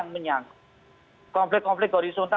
necesita pendekatan ke palavras ke digital